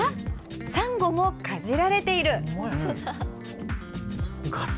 サンゴもかじられている！